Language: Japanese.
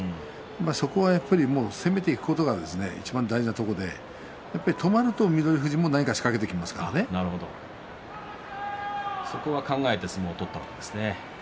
そこは攻めていくことがいちばん大事なところで止まると翠富士もそこは考えて相撲を取ったんですね。